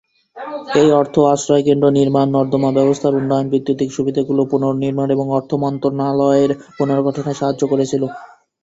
এই অর্থ আশ্রয় কেন্দ্র নির্মান, নর্দমা ব্যবস্থার উন্নয়ন, বৈদ্যুতিক সুবিধাগুলি পুনর্নির্মাণ এবং অর্থ মন্ত্রণালয়ের পুনর্গঠনে সাহায্য করেছিল।।